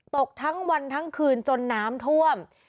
ตกทั้งวันทั้งคืนจนน้ำท่วม